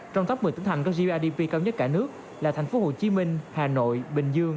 trong tốc một mươi tỉnh thành có grdp cao nhất cả nước là tp hcm hà nội bình dương